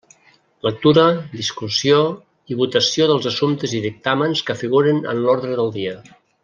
Lectura, discussió i votació dels assumptes i dictàmens que figuren en l'ordre del dia.